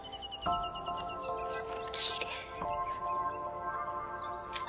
きれい。